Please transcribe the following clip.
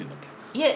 いえ。